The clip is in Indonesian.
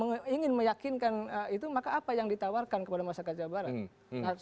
ketika kedua kubu ingin meyakinkan itu maka apa yang ditawarkan kepada masyarakat jawa barat